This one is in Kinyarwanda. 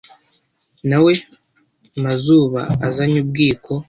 Na we Mazuba azanye ubwiko